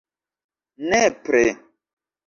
Nepre!